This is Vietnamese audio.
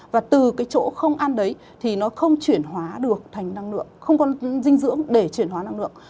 và từ cái chỗ không ăn đấy thì nó không chuyển hóa được thành năng lượng không có dinh dưỡng để chuyển hóa năng lượng